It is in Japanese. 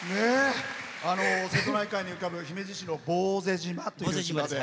瀬戸内海に浮かぶ姫路市の坊勢島という島で。